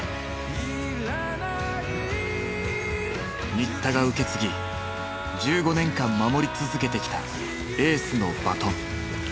新田が受け継ぎ１５年間守り続けてきたエースのバトン。